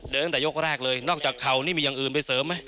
ตั้งแต่ยกแรกเลยนอกจากเข่านี่มีอย่างอื่นไปเสริมไหม